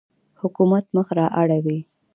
حکومت مخ را اړوي.